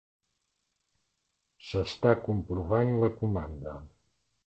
S'està comprovant la comanda.